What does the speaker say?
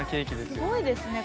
すごいですね